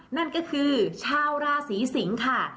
นั่นก็คือชาวราศีสิงค่ะ